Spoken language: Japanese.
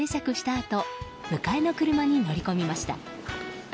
あと迎えの車に乗り込みました。